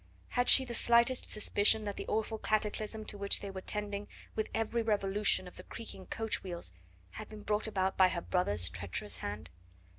Had she the slightest suspicion that the awful cataclysm to which they were tending with every revolution of the creaking coach wheels had been brought about by her brother's treacherous hand?